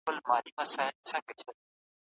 که دلایل قوي وي نو پایله به سمه وي.